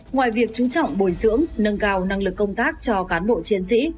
ngoài việc chú trọng bồi dưỡng nâng cao năng lực công tác cho cán bộ chiến sĩ